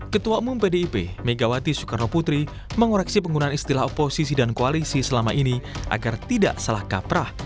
ketua umum pdip megawati soekarno putri mengoreksi penggunaan istilah oposisi dan koalisi selama ini agar tidak salah kaprah